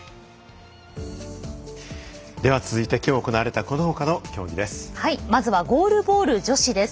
では、続いてきょう行われたこのほかの競技です。